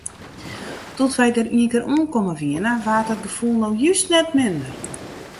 Doe't wy dêr ienkear oankommen wiene, waard dat gefoel no just net minder.